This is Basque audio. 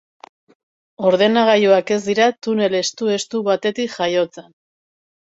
Ordenagailuak ez dira tunel estu-estu batetik jaiotzen.